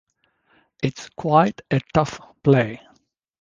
It's quite a tough play.